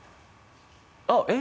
あっえっ？